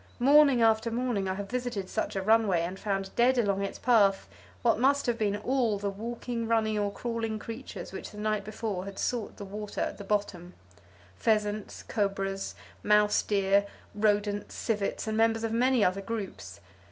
Morning after morning I have visited such a runway and found dead along its path, what must have been all the walking, running or crawling creatures which the night before had sought the water at the bottom; pheasants, cobras, mouse deer, rodents, civets, and members of many other groups.